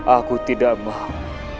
aku tidak mau